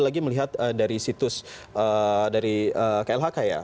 lagi melihat dari situs dari klhk ya